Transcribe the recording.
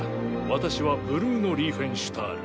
私はブルーノ・リーフェンシュタール。